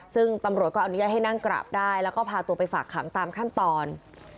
ซึ่งตำรวจก็อนุญาตให้นั่งกราบได้แล้วก็พาตัวไปฝากขังตามขั้นตอน